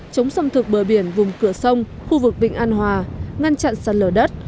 chống xâm thực bờ biển vùng cửa sông khu vực vịnh an hòa ngăn chặn sạt lở đất